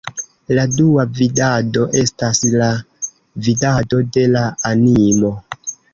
La dua vidado estas la vidado de la animo.